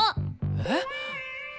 えっ？